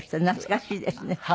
懐かしいですね。